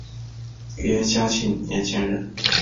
约嘉庆年间人。